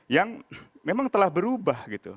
yang memang telah berubah